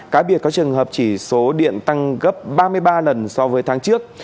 cá biệt có trường hợp chỉ số điện tăng gấp ba mươi ba lần so với tháng trước